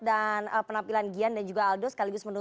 dan penampilan gian dan juga aldo sekaligus menonton